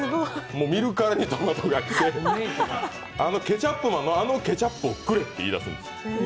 見るからにトマトが来てケチャップマンのあのケチャップをくれと言い出すんです。